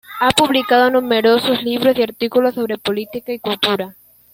Ha publicado numerosos libros y artículos sobre política y cultura.